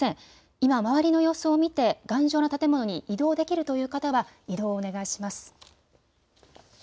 今、周りの様子を見て頑丈な建物に移動できるという方は移動をお願いします。